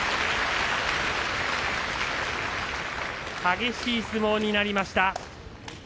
激しい相撲になりました。